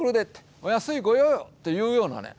お安いご用よっていうようなね